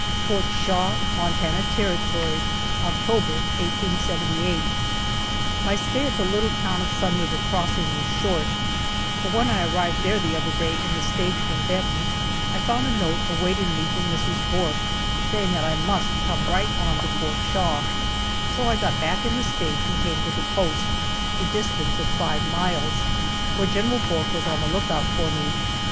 FORT SHAW, MONTANA TERRITORY, October, 1878. MY stay at the little town of Sun River Crossing was short, for when I arrived there the other day in the stage from Benton, I found a note awaiting me from Mrs. Bourke, saying that I must come right on to Fort Shaw, so I got back in the stage and came to the post, a distance of five miles, where General Bourke was on the lookout for me.